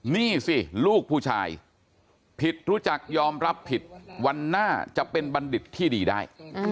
นี่สิลูกผู้ชายผิดรู้จักยอมรับผิดวันหน้าจะเป็นบัณฑิตที่ดีได้